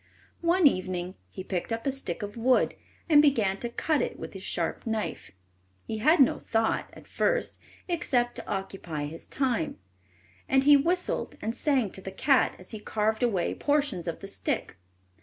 One evening he picked up a stick of wood and began to cut it with his sharp knife. He had no thought, at first, except to occupy his time, and he whistled and sang to the cat as he carved away portions of the stick.